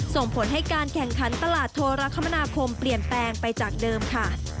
ส่งผลให้การแข่งขันตลาดโทรคมนาคมเปลี่ยนแปลงไปจากเดิมค่ะ